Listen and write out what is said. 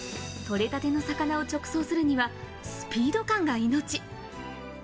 とれたての魚を直送するにはスピード感が命。